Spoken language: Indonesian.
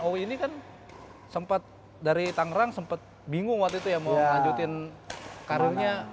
owi ini kan sempet dari tangerang sempet bingung waktu itu ya mau lanjutin karyonya